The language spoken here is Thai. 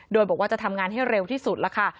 โดยบอกว่าจะทำงานให้เร็วที่สุดล่ะค่ะ